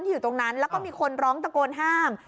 อยู่ตรงนั้นแล้วก็มีคนร้องตะโกนห้าม